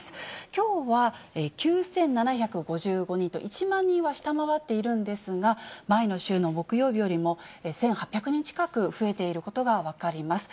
きょうは９７５５人と、１万人は下回っているんですが、前の週の木曜日よりも、１８００人近く増えていることが分かります。